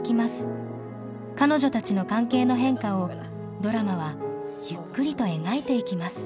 彼女たちの関係の変化をドラマはゆっくりと描いていきます。